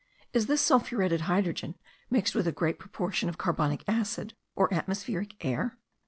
Is this sulphuretted hydrogen mixed with a great proportion of carbonic acid or atmospheric air?